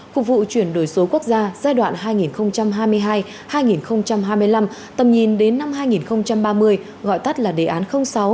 phục vụ chuyển đổi số quốc gia giai đoạn hai nghìn hai mươi hai hai nghìn hai mươi năm tầm nhìn đến năm hai nghìn ba mươi gọi tắt là đề án sáu